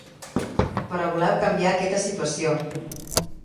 Però voleu canviar aquesta situació.